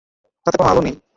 তাতে কোন আলো নেই।